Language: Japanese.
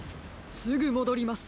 すぐもどります。